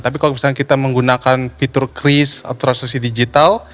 tapi kalau misalnya kita menggunakan fitur kris atau transaksi digital